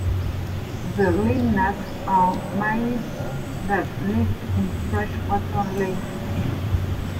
The Limnads are Naiads that lived in freshwater lakes.